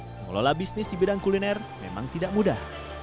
mengelola bisnis di bidang kuliner memang tidak mudah